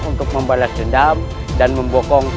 untuk membalas dendam dan membokong